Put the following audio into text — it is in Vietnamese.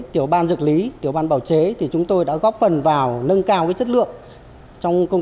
tiểu ban dược lý tiểu ban bào chế thì chúng tôi đã góp phần vào nâng cao chất lượng trong công